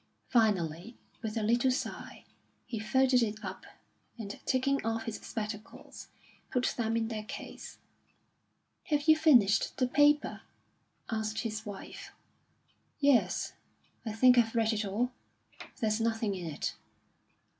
Finally, with a little sigh, he folded it up, and taking off his spectacles, put them in their case. "Have you finished the paper?" asked his wife "Yes, I think I've read it all. There's nothing in it."